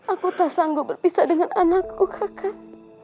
aku tak sanggup berpisah dengan anakku kakak